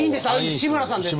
志村さんです。